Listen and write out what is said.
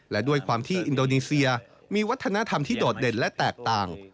และด้วยความที่อินโดนีเซียมีวัฒนธรรมที่โดดเด่นและแตกต่าง